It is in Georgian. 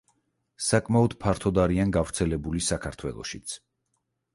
საკმაოდ ფართოდ არიან გავრცელებული საქართველოშიც.